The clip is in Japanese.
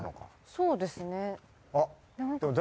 そうですね。